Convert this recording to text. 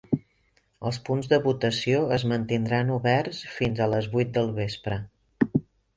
El punts de votació es mantindran oberts fins a les vuit del vespre.